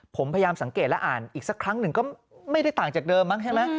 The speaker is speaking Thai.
ผมพยายามสังเกตและอ่านอีกสักครั้งหนึ่งก็ไม่ได้ต่างจากเดิมมั้งใช่ไหม